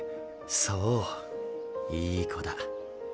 そういい子だ。